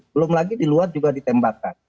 belum lagi diluat juga ditembakkan